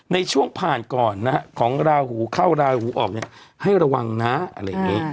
ในช่วงผ่านก่อนนะฮะของราหูเข้าราหูออกเนี่ยให้ระวังนะอะไรอย่างนี้